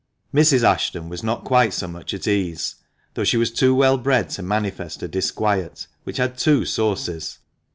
Mrs. Ashton was not quite so much at ease, though she was too well bred to manifest her disquiet, which had two sources.